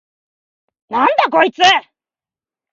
なんだこいつ！？